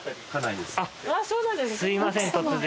すみません突然。